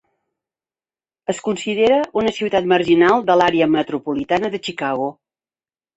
Es considera una ciutat marginal de l'àrea metropolitana de Chicago.